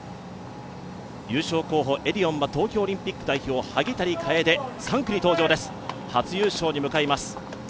優勝候補・エディオンは東京オリンピック代表・萩谷楓３区に登場です、初優勝に向かいます。